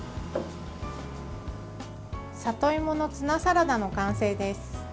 里芋のツナサラダの完成です。